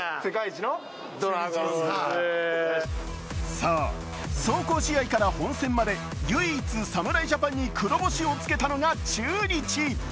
そう、壮行試合から本戦まで唯一、侍ジャパンに黒星をつけたのが中日。